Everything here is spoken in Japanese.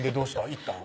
行ったん？